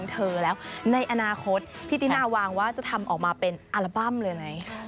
นี่คือตามฟิลลิ่งนะคุณแม่ตามฟิลล์ลใช่